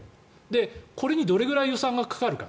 これにどれぐらい予算がかかるか。